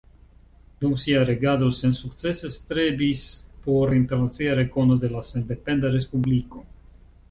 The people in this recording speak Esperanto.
Dum sia regado sensukcese strebis por internacia rekono de la sendependa respubliko.